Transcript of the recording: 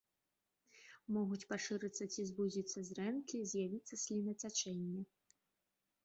Могуць пашырыцца ці звузіцца зрэнкі, з'явіцца слінацячэнне.